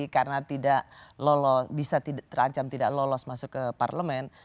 karena tidak lolos bisa terancam tidak lolos masuk ke parlemen